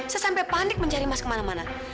saya sampai panik mencari mas kemana mana